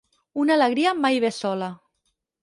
Una alegria mai ve sola.